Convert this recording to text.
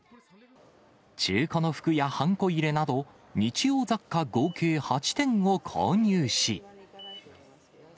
中古の服やはんこ入れなど、日用雑貨合計８点を購入し。